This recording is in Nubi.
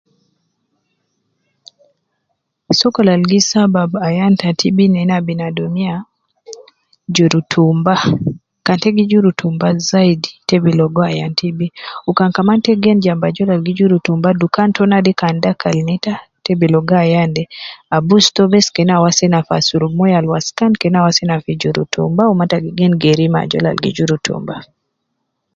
Sokol al gi sabab ayan ta TB nena binadumiya juru tumba, kan te gi juru tumba zaidi te bi ligo ayan TB,wu kan kaman te gen jamb ajol ab gi juru tumba, dukan to naade kan dakal neeta, te bi logo ayan de, abus to bes kena was ina fi asurub moyo al waskan, ke na was ina fi juru tumba wu mata gi gen geri me ajol ab gi juru tumba